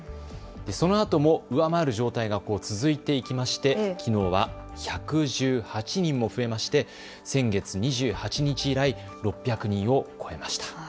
そのあとも上回る状態が続いていきまして、きのうは１１８人も増えまして先月２８日以来、６００人を超えました。